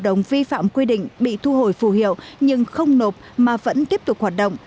hợp đồng vi phạm quy định bị thu hồi phù hiệu nhưng không nộp mà vẫn tiếp tục hoạt động